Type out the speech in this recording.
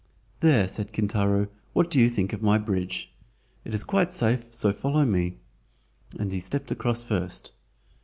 "There," said Kintaro, "what do you think of my bridge? It is quite safe, so follow me," and he stepped across first.